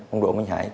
ông độ minh hải